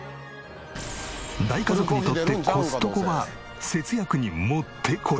大家族にとってコストコは節約に持ってこい。